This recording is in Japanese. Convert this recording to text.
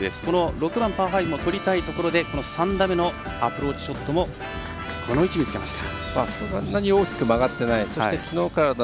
６番、パー５もとりたいところで３打目のアプローチショットもこの位置につけました。